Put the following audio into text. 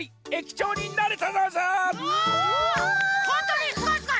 ほんとにすごいすごい！